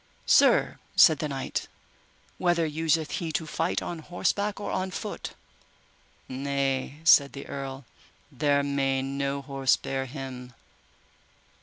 Sir, said the knight, whether useth he to fight on horseback or on foot? Nay, said the earl, there may no horse bear him.